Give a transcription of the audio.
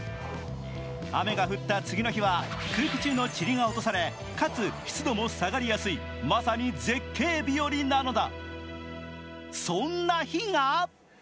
雨が降った次の日は空気中のチリが落とされかつ湿度も下がりやすい、まさに絶景日和なのだ。